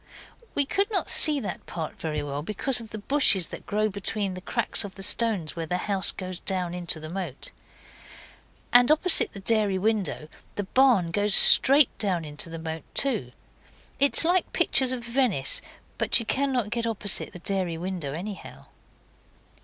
We could not see that part very well, because of the bushes that grow between the cracks of the stones where the house goes down into the moat. And opposite the dairy window the barn goes straight down into the moat too. It is like pictures of Venice; but you cannot get opposite the dairy window anyhow.